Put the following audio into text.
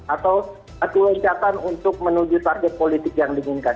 atau kelesatan untuk menuju target politik yang diinginkan